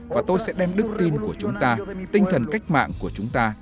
và tôi sẽ đem đức tin của chúng ta tinh thần cách mạng của chúng ta